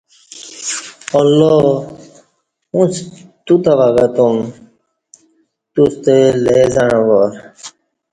اللہ اُݩڅ توتہ وگہ تُم توستہ لے زعݩہ وار